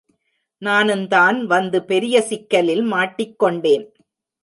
நானுந்தான் வந்து பெரிய சிக்கலில் மாட்டிக் கொண்டேன்.